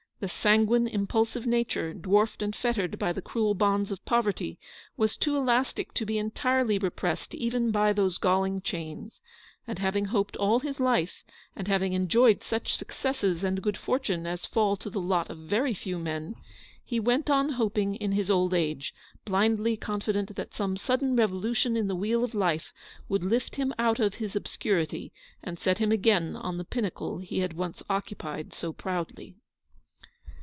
The sanguine, impulsive nature, dwarfed and fettered by the cruel bonds of poverty, was too elastic to be entirely repressed even by those galling chains; and having hoped all his life, and having enjoyed such successes and good fortune as fall to the lot of very few men, he went on hoping in his old age, blindly confident that some sudden revo lution in the wheel of life would lift him out of 26 ELEANOR'S VICTORY. his obscurity and set him again on the pinnacle he had once occupied so proudly.